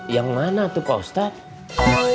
yang mana tuh pak ustadz